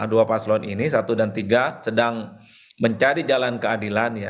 dua paslon ini satu dan tiga sedang mencari jalan keadilan